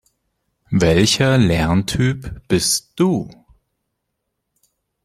Welcher Lerntyp bist du?